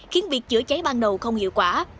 khiến việc chữa cháy ban đầu không hiệu quả